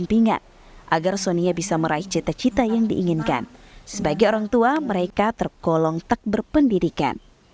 pada tahun dua ribu dua puluh sonia berhasil mencapai kelas empat sd di bidang matematika